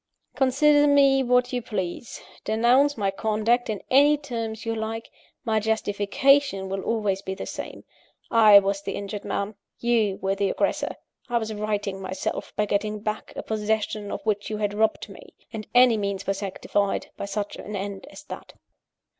Consider me what you please; denounce my conduct in any terms you like: my justification will always be the same. I was the injured man, you were the aggressor; I was righting myself by getting back a possession of which you had robbed me, and any means were sanctified by such an end as that.